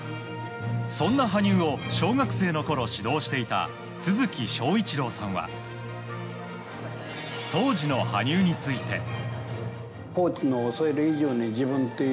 そんな羽生を小学生のころ指導していた都築章一郎さんは当時の羽生について。